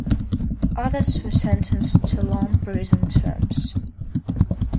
Others were sentenced to long prison terms.